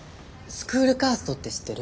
スクールカーストって知ってる？